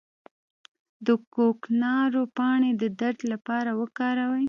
د کوکنارو پاڼې د درد لپاره وکاروئ